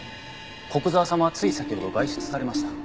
古久沢様はつい先ほど外出されました。